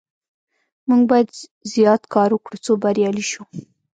موږ باید زیات کار وکړو څو بریالي شو.